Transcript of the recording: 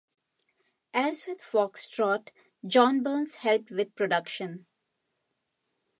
As with "Foxtrot", John Burns helped with production.